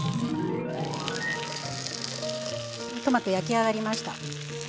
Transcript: トマト焼き上がりました。